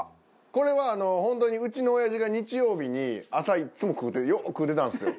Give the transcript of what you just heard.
これは本当にうちのおやじが日曜日に朝いっつも食うてよう食うてたんですよ。